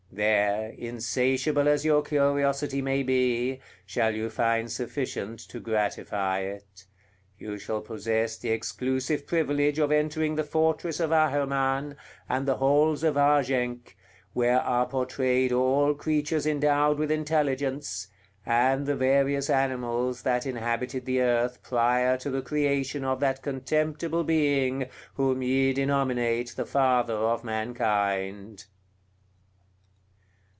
There, insatiable as your curiosity may be, shall you find sufficient to gratify it; you shall possess the exclusive privilege of entering the fortress of Aherman, and the halls of Argenk, where are portrayed all creatures endowed with intelligence, and the various animals that inhabited the earth prior to the creation of that contemptible being whom ye denominate the Father of Mankind."